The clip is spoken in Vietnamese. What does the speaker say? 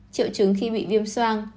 triệu chứng khi bị viêm soan